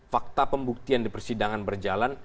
fakta pembuktian di persidangan berjalan